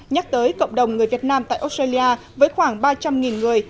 nhắc tới cộng đồng người việt nam tại australia với khoảng ba trăm linh người